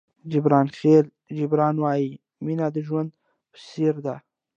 جبران خلیل جبران وایي مینه د ژوند په څېر ده.